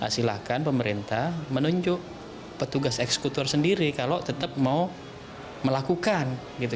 silahkan pemerintah menunjuk petugas eksekutor sendiri kalau tetap mau melakukan